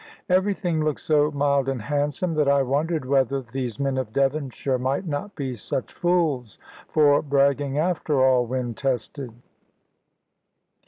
Everything looked so mild and handsome, that I wondered whether these men of Devonshire might not be such fools for bragging after all, when tested.